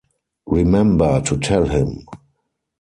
Remember to tell him.